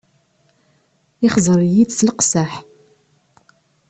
Ixẓer-iyi-d s leqseḥ.